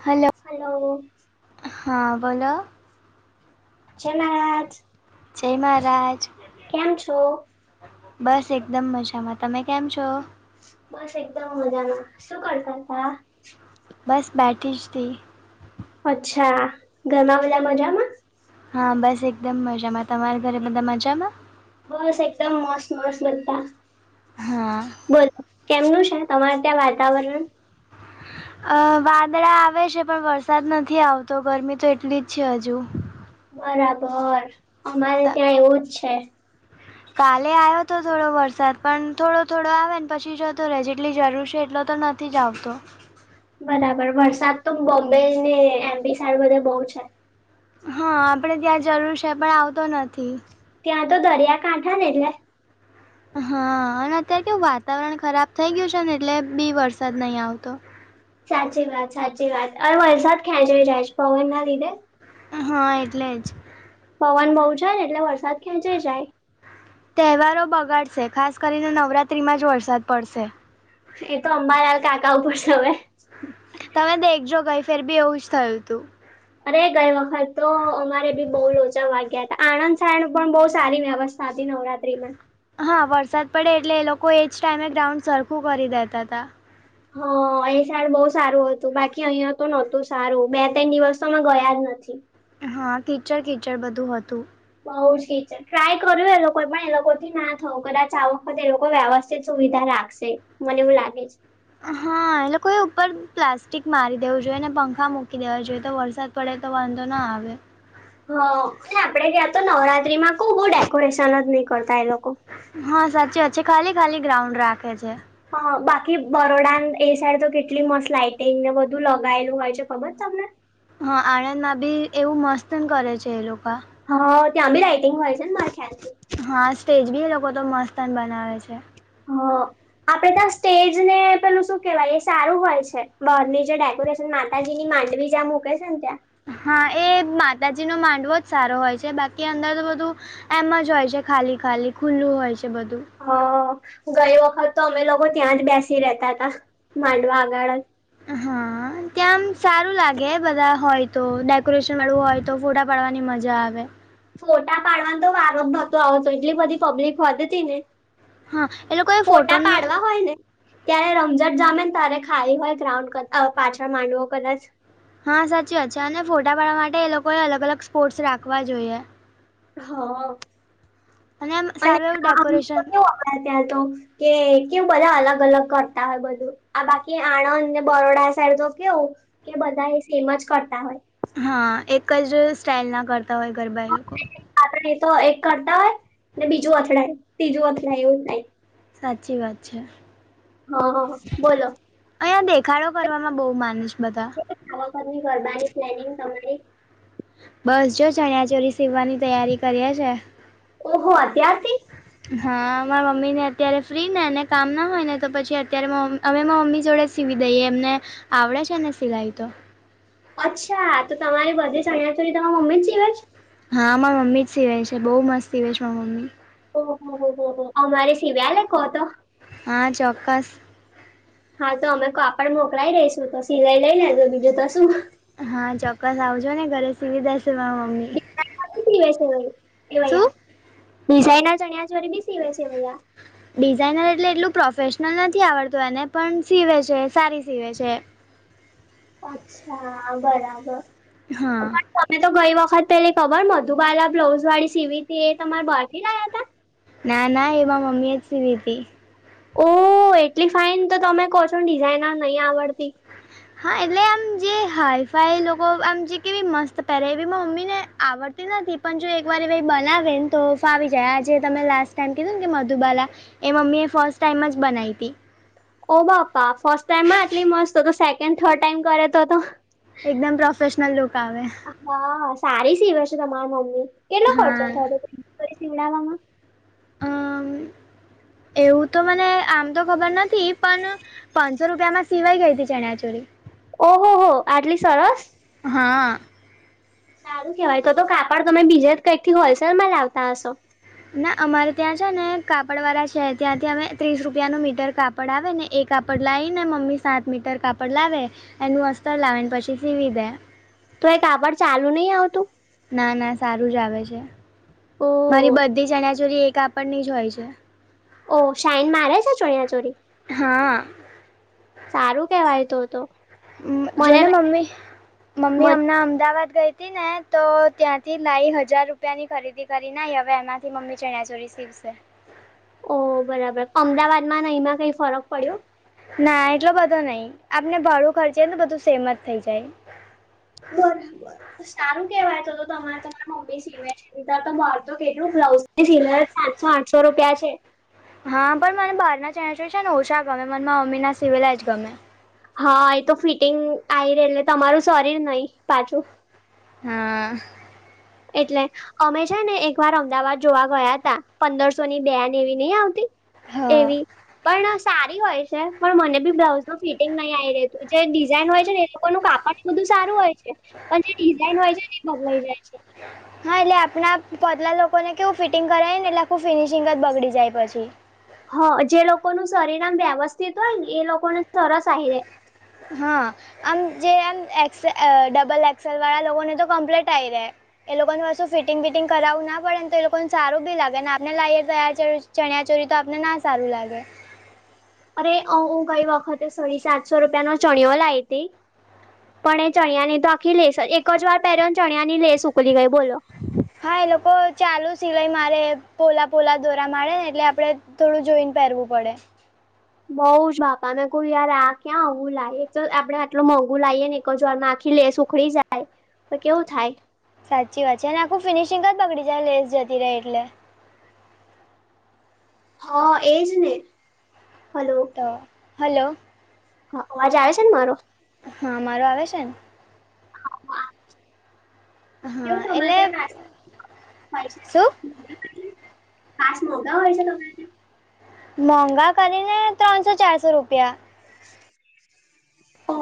હાલો. હાલો. હા બોલો. જય મહારાજ! જય મહારાજ કેમ છો? બસ એકદમ મજામાં, તમે કેમ છો? બસ એકદમ મજામાં, શું કરતા હતા? બસ બેઠીજ તી. અચ્છા ઘરમાં બધા મજામાં? હા બસ એકદમ મજામાં, તમારા ઘરે બધા મજામાં? બસ એકદમ મસ્ત મસ્ત બધા, હા બોલો કેમનું છે, તમાર ત્યાં વાતાવરણ? અ વાદળ આવે છે, પણ વરસાદ નથી આવતો, ગરમી તો એટલી જ છે હજુ. બરાબર અમારે ત- ત્યાં એવું જ છે. કાલે આવ્યો તો થોડો વરસાદ પણ થોડો થોડો આવે ને પછી જતો રહે જેટલી જરૂર છે એટલો તો નથી નથી જ જાવ તો બરાબર વરસાદ બોમ્બે ને એમપી સાઇડ તો બધે બહુ છે હા આપણેે ત્યાં જરૂર છે પણ આવતો નથી. ત્યાં તો દરિયાકાઠા ને એટલે હા અને અત્યારે કેવું વાતાવરણ ખરાબ થઈ ગયું છે ને એટલે બી વરસાદ નહીં આવતો સાચી વાત સાચી વાત અ વરસાદ ખેંચાઈ જાય છે પવન ના લીધે હા એટલે જ પવન બહુ જાય ને એટલે વરસાદ ખેંચાઈ જાય. તહેવારો બગાડશે ખાસ કરીને નવરાત્રિમાં જ વરસાદ પડશે. એ તો અંબાલાલ કાકા ઉપર છે હવે તમે દેખજો ગઈ ફેર બી એવું જ થયું હતું. અરે ગઈ વખત તો અમારે બી બહુ લોચા વાગ્યા હતા આણંદ સાયણ પણ બહુ સારી વ્યવસ્થા સાદી નવરાત્રી માં હા વરસાદ પડે એટલે એ લોકો એજ ટાઈમે ગ્રાઉન્ડ સરખું કરી દેતા હતા. હ અહીં સાઈડ બહુ સારું હતું બાકી અહીયાં તો નહોતું સારું બે ત્રણ દિવસ તો મે ગયા જ નથી. હા ટીચર કીચર બધું હતું. માઉ સી ને ટ્રાય કર્યું એ લોકો પણ એ લોકોથી ના થવું આ વખત લોકો વ્યવસ્થિત સુવિધા રાખશે. મને એઉ લાગે છે. હા એટ લોકોએ ઉપર પ્લાસ્ટિક મારી દેવું જોઈએ ને પંખા મૂકી દેવા જોઈએ તો વરસાદ પડે તો વાંધો ના આવે હ અને આપડે ગયાં તો નવરાત્રી માં કો બહુ ડેકોરેશન જ નહી કરતા એ લોકો હા સાચી વાત છે ખાલી ખાલી ગ્રાઉન્ડ રાખે છે. હ બાકી બરોડા એ સાઈડ તો કેટલી મસ લાઈટને બધું લગાયેલું હોય છે ખબર તમને હા આણંદ માં બી એવું મસ્ત કરે છે એ લોકો હા ત્યાં બી રાઈટિંગ હોય છે ને મારા ખ્યાલથી હા સ્ટેજ બી એ લોકો તો મસ્ત બનાવે છે. હ આપડે ત્યાં સ્ટેજ ને પેલું શું કેવાય એ સારું હોય છે બરની જે ડેકોરેશન માતાજી ની માંડવી જ્યાં મૂકે છે ને ત્યાં હા એ માતાજી નો માંડવો જ સારો હોય છે બાકી અંદર તો બધું એમ જ હોય છે ખાલી ખાલી ખુલ્લું હોય છે બધું હ ગઈ વખત તો અમે લોકો ત્યાં જ બેસી રેતા હતા માંડવા આગળ જ હા ત્યાંમ સારું લાગે બધા હોય તો ડેકોરેશન વાળું હોય તો ફોટા પાડવાની મજા આવે. ફોટા પાડવાનો તો વારો નતો આવતો એટલી બધી પબ્લિક હોતી તિ ને હા એ લોકો એ ફોટા ફોટોનું પાડવા હોય ને ત્યારે રમઝટ જામેને તારે ખાઈ હોય ગ્રાઉન્ડ પાછળ માનડવો કદાચ હા સાચી વાત છે અને ફોટા પાડવા માટે એ લોકોએ અલગ અલગ સ્પોર્ટ્સ રાખવા જોઈએ. હા. અને એમ સારું એવું ડેકોરેશન બાર જાય તો કે કેવું બધા અલગ અલગ કરતા હોય બધું આ બાકી આણંદને બરોડા સાઈડ તો કેવું કે બધા એ સેમ જ કરતા હોય હા એક જ સ્ટાઇલ ના કરતા હોય ગરબા એ લોકો આપણે અય તો એક કરતા હોય ને બીજું અથડાય ત્રીજું અથડાય એવું થાય. સાચી વાત છે. હા હા બોલો અહીયા દેખાડો કરવામાં બહુ માનેશ બધા. આ વખત ની ગરબાની પ્લેનિંગ તમારી બસ જો ચણિયા ચોલી સીવવાની તૈયારી કરીએ છે. ઓહો અત્યારથી? હા, માર મમ્મીને અત્યારે ફ્રી ને એને કામ ના હોય ને તો પછી અત્યારે મોમ અમે મા મમ્મી જોડેજ સીવી દઈએ એમને આવડે છે ને સિલાઈ તો. અચ્છા તો તમારી બધી ચણ્યા ચોલી તમા મમ્મી સીવેછ? હા મારા મમ્મી જ સીવે છે બઉુ મસ્ત સિવે છે મારા મમ્મી. ઓ હો હો હો અમારે સિવ્યાલે કો તો? હા ચોક્કસ. હા તો અમે કાપડ મોકલાઈ દેઈશું તો સિલાઈ લઈ લેજો બીજું તો શું. હા ચોક્કસ આવજો ને ઘરે સીવી દેશું માર મમ [unintelligible] શું એવાયા ડિઝાઇનર ચણિયા ચોલી બી સીવે છે એવયા. ડિઝાઇનર એટલે એટલું પ્રોફેશનલ નથી આવડતું એને પણ સીવે છે સારી સીવે છે. અચ્છા બરાબર. હા તમે તો ગઈ વખત પેલી ખબર મધુબાલા બ્લાઉઝ વાળી સીવી તી એ તમાર બહાર થી લાયા તા? ના ના એ માં મમ્મી એ જ સીવીતી. ઓહ એટલી ફાઈન તો તમે કહો છો ને ડિઝાઇનર નહી આવડતી. હા એટલે આમ જે હાઈ ફાઈ લોકો આમ જે કેવી મસ્ત પહેરે એવી માં મમ્મીને આવડ તી નથી પણ જો એક વાર એ વય બનાવે ને તો ફાવી જાય આજે તમે લાસ્ટ ટાઈમ કીધું ને કે મધુબાલા એ મમ્મી એ ફર્સ્ટ ટાઈમ જ બનાઈ તી. ઓ બાપા ફર્સ્ટ ટાઈમમાં આટલી મસ્ત તો તો સેકન્ડ થર્ડ ટાઈમ કરે તો તો એકદમ પ્રોફેશનલ લુક આવે. હા સારી સીવે છે તમારા મમ્મી કેટલો ખર્ચો હા થયો હતો [unintelligible] સીવડાવવામાં? અમ એવું તો મને આમ તો ખબર નથી પણ પાંચસો રૂપિયામાં સિવાય ગઈ હતી ચણ્યા ચોરી. ઓ હો હો આટલી સરસ? હા. સારું કેવાય તો તો કાપડ તમે બીજે જ કંઈક થી હોલસેલ માં લાવતા હશો. ના અમારે ત્યાં છે ને કાપડ વાળા છે ત્યાંથી અમે ત્રીસ રૂપિયા નું મીટર કા પડ આવે ને એ કાપડ લાવીને મમ્મી સાત મીટર કાપડ લાવે એનું અસ્તર લાવેને પછી સીવી દે. તો એ કાપડ ચાલુ નહી આવતું? ના ના સારું જ આવે છે ઓ મારી બધી જ ચણિયા ચોરી એ કાપડ ની જ હોય છે. ઓ શાઇન મારે છે ચણિયા ચોરી? હા. સારું કેવાય તો તો. જો મને ને મમ્મી મમ્મી મને હમણાં અમદાવાદ ગઈ તી ને તો ત્યાંથી લાઈ હજાર રૂપિયાની ખરીદી કરી ના હવે એમાંથી મમ્મી ચણચોરી સીવશે. ઓ બરાબર અમદાવાદમાં ને અઈમાં કઈ ફરક પડ્યો? ના એટલો બધો નઈ આપને ભાડું ખર્ચીએ ને તો બધું સેમ અજ થઈ જાય. બરાબર સારું કેવાય તો-તો તમારે તમારા મમ્મી સીમે છે તો તો કેટલું બ્લાઉઝની સિલાઈ સાતસો-આઠસો રૂપિયા છે! હા પણ મને બહારના' ચણાયા-ચોલી' છે ને ઓછા ગમે મને મારા મમ્મીના સિવેલા જ ગમે. હા એ તો ફિટિંગ આવી રે એટલે તમારું શરીર નહી પાછું. હા એટલે અમે છે ને એક વાર અમદાવાદ જોવા ગયા હતા પંદરસો ની બે ને એવી નહ આવતી. હા એવી પણ સારી હોય છે પણ મને બી બ્લાઉઝ ન ફિટિંગ નહીં આવી રતું જે ડિઝાઇન હોય છે ને એ લોકોનું કાપડ બધું સારું હોય છે પણ જે ડિઝાઇન હોય છે એ બગલાઈ જાય છે. હા એટલે આપણા પતલા લોકોને કેવું ફિટિંગ કરાવીને એટલે આખું ફિનિશિંગ જ બગડી જાય પછી. હ જે લોકોનું શરીર આમ વ્યવસ્થિત હોય ને એ સરસ આઈ રે... ! હા આમ જે એમ એક્સે, ડબલ એક્સેલ વાળા લોકોને તો કમ્પ્લેટ આવી રહે. એ લોકોને પાછું ફિટિંગ-ફિટિંગ કરાવવું ના પડે તો એ લોકોને સારું ભી લાગે ને આપને લાઈ તો ચણિયા-ચોરી તો આપનને ના સારું લાગે. અરે હું ગઈ વખતે સાડી સાતસો રૂપિયાનો ચણયો લાવી હતી. પણ એ ચણિયાની તો આખી લેસ એક જ વાર પહેર્યૉ ચણિયા ની લેસ નીકળી ગઈ બોલો હા એ લોકો ચાલુ સિલાઈ મારે પોલા-પોલા દોરા મારે ને એટલે આપણે થોડું જોઈને પહેરવું પડે. બઉ જ બાપા મેં કવ યાર આ ક્યાં આવું લાય એક તો આપડે આટલું મોંઘું લાવએને એક જ વારમાં લેસ ઉખડી જાય તો કેવું થાય. સાચી વાત છે અને આખું ફિનિશિંગ જ બગડી જાય લેસ જતી રહે એટલે હા એજ ને હલો! હ હાલો! ! હા અવાજ આવે છે ને મારો? હા મારો આવે છે ને? હ આવે છે. કેવું હા તમારે એટલે ત્યાં પાસ કેવું થાય છે? શું પાસ મોગા હોય છે તમારે ત્યાં? મોંઘા કરીને ત્રણસો-ચારસો રૂપિયા ઓ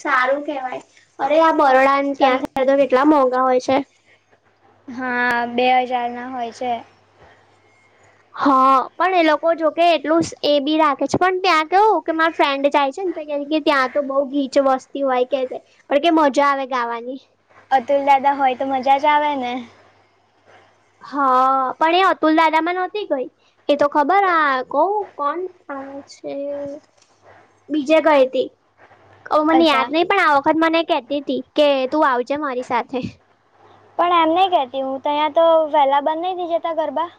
સારું કેહેવાય અરે આ બરોડા તમ ત્યાં તો કેટલા મોંઘા હોય છે. હા બે હજારના હોય છે. હા પણ એ લોકો જોકે એટલું એ બી રાખે છે પણ ત્યાં કેવું કે મારે ફ્રેન્ડ જાય છે ને તો કે ત્યાં તો બઉ ગીચ વસ્તી હોય કે પણ કે મજા આવે ગાવાની 'અતુલદાદા' હોય તો મજા જ આવે ને! હ પણ એ 'અતુલદાદા'માં નહોતી ગઈ. એ તો ખબર આ કોવ કોણ આવે છે? બીજે ગઈ તી મને અચ્છા યાદ નહી પણ આ વખત મને કેહતી હતી કે તું આવજે મારી સાથે પણ એમ નહી કેતી હું તો અહીંયા તો વહેલા બંધ નહી થય જતા ગરબા! !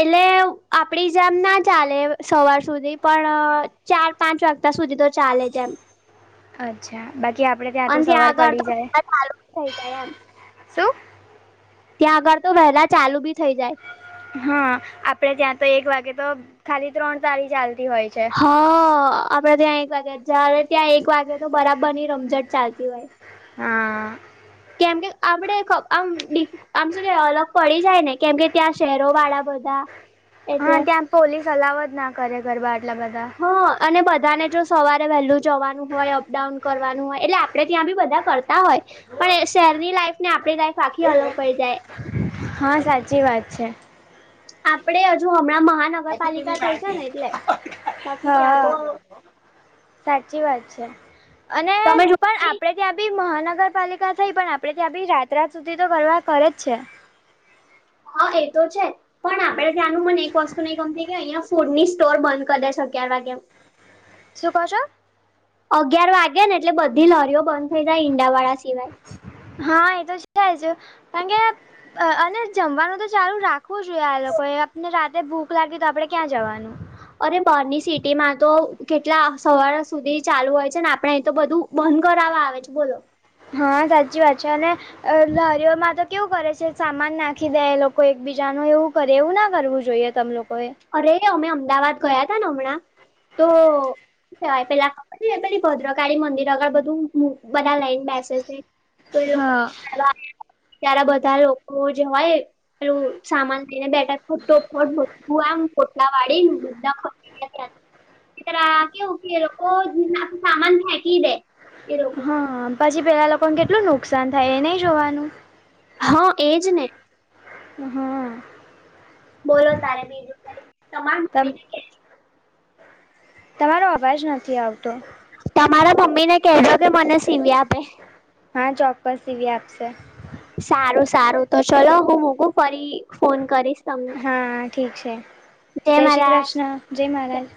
એટલે એટલે આપડી જેમ ના ચાલે સવાર સુધી પણ ચાર-પાંચ વાગતા સુધી તો ચાલે એમ હ અચ્છા બાકી આપણે ત્યાં તો સવાર આગળ પડી તો જાય વહેલા ચાલુ થઈ જાય એમ શું ત્યાં આગળ તો વહેલા ચાલુ બી થઇ જાય હા આપડે ત્યાં તો એક વાગે તો ખાલી ત્રણ તારી ચાલતી હોય છે. હા આપડે ત્યાં એક વાગ્યા જ્યારે ત્યાં એક વાગે તો બરાબર ની રમઝટ ચાલતી હોય. હા આ. કેમ કે આપડે આમ ડી આમ સુું કે અલગ પડી જાય ને કેમ કે ત્યાં શહેરો વાળા બધા એટલે હા ત્યાં પોલીસ અલાવ જ ના કરે ગરબા આટલા બધા હ અને બધાને જો સવારે વહેલું જવાનું હોય અપડાઉન કરવાનું હોય એટલે આપડે ત્યાં બી બધા કરતા તા હોય પણ શહેરની લાઈફ ને આપણી લાઈફ આખી અલગ પડી જાય. હા સાચી વાત છે. આપડે હજુ હમણાં મહાનગરપાલિકા થઈ છે ને એટલે બાકી ત્યાં હા તો સાચી વાત છે અને તમે જો પણ આપ આપડે ત્યાં બી મહાનગરપાલિકા થઈ પણ આપડણે ત્યાં બી રાત રાત સુધી તો ગરબા કરે જ છે. હા એ તો છે. પણ આપણે ત્યાંનું મને એક વસ્તુ નહી ગમતી કે અહિયા ફૂડ ની સ્ટોર બંધ કરી દે છે અગ્યાર વાગે શું કો છો. અગિયાર વાગ્યા ને એટલે બધી લોરીઓ બંધ થઇ જાય ઈંડાવાળા સિવાય. હા એ તો છે જ કારણ કે અને જમવાનું તો ચાલુ રાખવું જોઈએ આ લોકોએ આપને રાતે ભૂખ લાગી તો આપણેે ક્યાં જવાનું અરે બર્ની સિટી માં તો કેટલા સવાર સુધી ચાલુ હોય છે ને આપડે એ તો બધું બંધ કરવા આવે છે બોલો. હા સાચી વાત છે અને અ લારીઓમાં તો કેવું કરે છે સામાન નાખી દે એ લોકો એકબીજાનું એવું કરે એવું ના કરવું જોઈએ. તમ લોકોએ અરે અમે અમદાવાદ ગયા તા ને હમણાં તો ય પેલાબ પે ભદ્રકાળી મંદિર આગર બધું બધા લઈને બેસે છે. તો એ લોકો હા ત્યારે બધા લોકો જે હોય પેલું તો સામાન લઈને બેઠા [unintelligible] હું આમ કોટલા વાડી બધા ખ ત્યાં એ તરા કેવું કે લોકોના સામાન ફેકી દે. એ લોકો હા પછી પેલા લોકોને કેટલું નુકસાન થાય એ નહી જોવાનું. હા એજ ને. હમ્મ. બોલો તારે બીજું કઈ તમાન તમ બીજી છે. તમારો અવાજ નથી આવતો. તમારા મમ્મી ને કહેજો કે મને સીવી આપે. હા ચોક્કસ સીવી આપશે. સારું સારું તો ચલો હું મુકું ફરી ફોન કરીશ. તમને હા ઠીક છે જય શ્રી કૃષ્ણ જય મહારાજ.